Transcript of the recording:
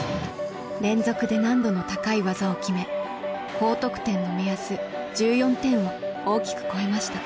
連続で難度の高い技を決め高得点の目安１４点を大きく超えました。